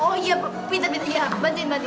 oh iya pinta pinta ya bantuin bantuin